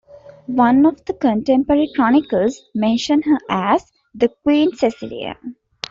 One of the contemporary chronicles mention her as "the queen Cecilia".